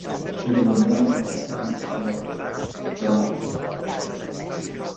Els holandesos van tractar de negociar un nou tractat, però van fracassar.